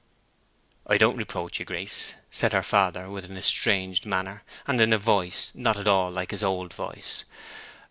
"I don't reproach you, Grace," said her father, with an estranged manner, and in a voice not at all like his old voice.